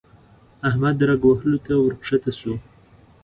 احمد رګ وهلو ته ورکښته شو.